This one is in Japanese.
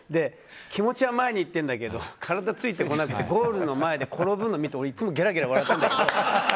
気持ちは前に行ってるんだけど体がついてこなくてゴールの前で転ぶの見ていつもゲラゲラ笑ってるんだよね。